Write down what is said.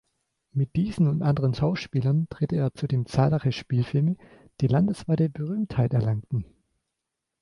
Mit diesen und anderen Schauspielern drehte er zudem zahlreiche Spielfilme, die landesweite Berühmtheit erlangten.